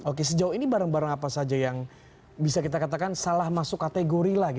oke sejauh ini barang barang apa saja yang bisa kita katakan salah masuk kategori lagi